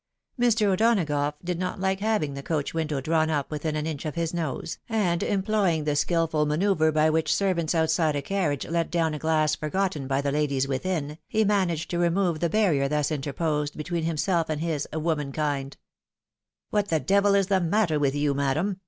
Mr. O'Donagough did not Hke having the coach window drawn up within an inch of his nose, and employing the skilful manoeuvre by which servants outside a carriage let down a glass forgotten by the ladies within, he managed to remove the barrier thus interposed between himself and his " woman kind." A MAKITAl THREAT. 73 " What the devil is the matter with you, madam